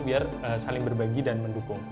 biar saling berbagi dan mendukung